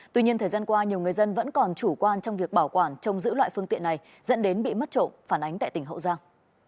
tuy nhiên thời gian qua nhiều người dân vẫn còn chủ quan trong việc bảo quản trong giữ loại phương tiện này dẫn đến bị mất trộm phản ánh tại tỉnh hậu giang